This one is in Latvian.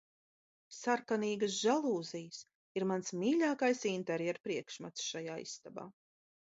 Sarkanīgas žalūzijas ir mans mīļākais interjera priekšmets šajā istabā